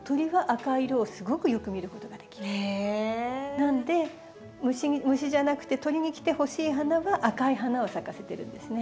なんで虫じゃなくて鳥に来てほしい花は赤い花を咲かせてるんですね。